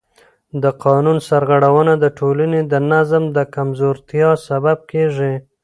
د قانون سرغړونه د ټولنې د نظم د کمزورتیا سبب کېږي